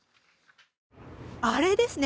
あれですね。